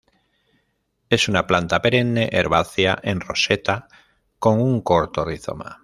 Es una planta perenne herbácea en roseta con un corto rizoma.